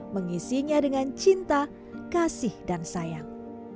mengisinya dengan cinta kasih dan sayang